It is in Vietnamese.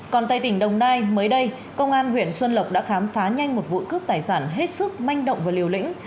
còn tại tỉnh đồng nai mới đây công an huyện xuân lộc đã khám phá nhanh một vụ cướp tài sản hết sức manh động và liều lĩnh